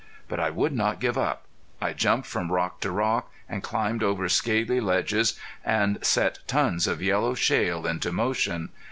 But I would not give up. I jumped from rock to rock, and climbed over scaly ledges, and set tons of yellow shale into motion.